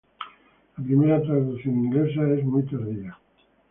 La primera traducción inglesa es muy tardía.